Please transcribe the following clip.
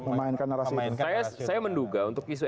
memainkan narasi saya menduga untuk isu